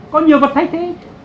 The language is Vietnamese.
có nhiều vật thay thế